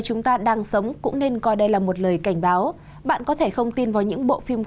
cảm ơn các bạn đã theo dõi